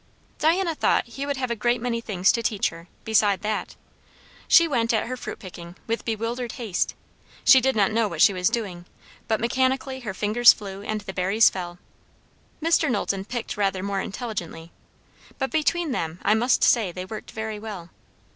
Diana thought he would have a great many things to teach her, beside that. She went at her fruit picking with bewildered haste. She did not know what she was doing, but mechanically her fingers flew and the berries fell. Mr. Knowlton picked rather more intelligently; but between them, I must say, they worked very well.